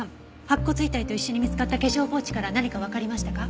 白骨遺体と一緒に見つかった化粧ポーチから何かわかりましたか？